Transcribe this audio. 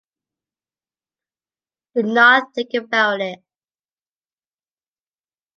Do not think about it.